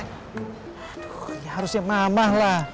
aduh ya harusnya mama lah